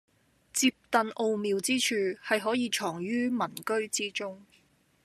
折凳奧妙之處，係可以藏於民居之中